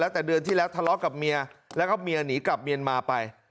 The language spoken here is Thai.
แต่เดือนที่แล้วทะเลาะกับเมียแล้วก็เมียหนีกลับเมียนมาไป